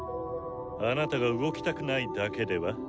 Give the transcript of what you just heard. あなたが動きたくないだけでは？